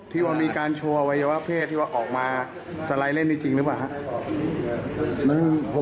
ที่ว่ามีการชัววัยวะเพศที่ว่าออกมาสไลด์เล่นจริงหรือเปล่าครับ